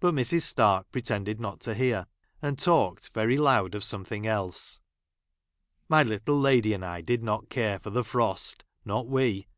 But Mrs. Stark pretended not to hear, and talked very loud of some¬ thing else. ' My little lady and I did not care for the frost ;— not we